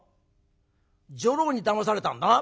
女郎にだまされたんだな？」。